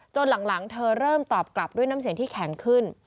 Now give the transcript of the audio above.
หลังเธอเริ่มตอบกลับด้วยน้ำเสียงที่แข็งขึ้น